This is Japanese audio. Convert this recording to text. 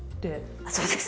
あそうです。